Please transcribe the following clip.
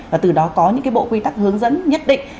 và từ đó có những bộ quy tắc hướng dẫn nhất định